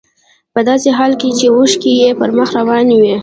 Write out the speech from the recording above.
په داسې حال کې چې اوښکې يې پر مخ روانې وې.